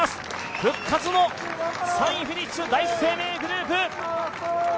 復活の３位フィニッシュ、第一生命グループ。